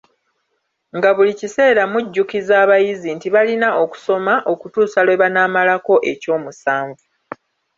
Nga buli kiseera mujjukiza abayizi nti balina okusoma okutuusa lwe banaamalako ekyomusanvu.